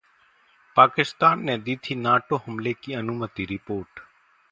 पाकिस्तान ने दी थी नाटो हमले की अनुमति: रिपोर्ट